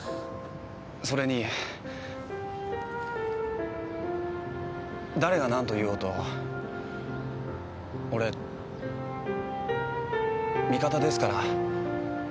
それに誰が何と言おうと俺味方ですから。